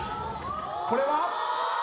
⁉これは。